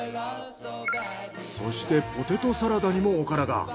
そしてポテトサラダにもおからが。